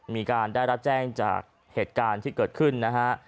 มีการได้รับแจ้งจากเหตุการณ์ที่เกิดขึ้นนะฮะ